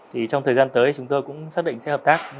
thì trong thời gian tới chúng tôi cũng xác định sẽ hợp tác